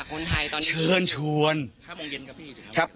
คนไทยตอนนี้เชิญชวนห้าโมงเย็นกับพี่นะครับครับ